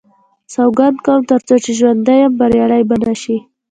سوګند کوم تر څو چې ژوندی یم بریالی به نه شي.